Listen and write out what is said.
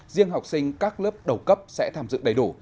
riêng học sinh các lớp đầu cấp sẽ tham dự đầy đủ